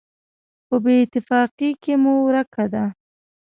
په بېاتفاقۍ کې مو ورکه ده.